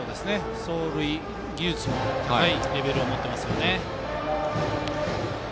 走塁技術も高いレベルを持っていますね。